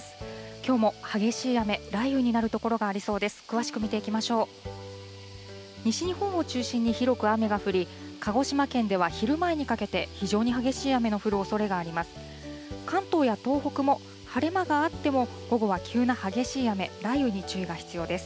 きょうも激しい雨、雷雨になる所がありそうです。